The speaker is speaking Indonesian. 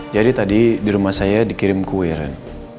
jadi tadi di rumah saya dikirim kue ren